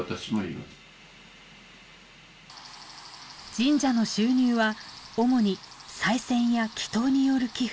神社の収入は主に賽銭や祈祷による寄付。